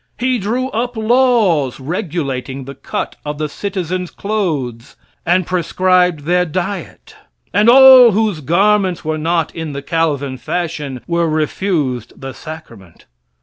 He drew up laws regulating the cut of the citizens' clothes, and prescribed their diet, and all whose garments were not in the Calvin fashion were refused the sacrament.